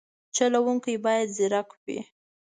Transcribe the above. چلوونکی باید ځیرک وي.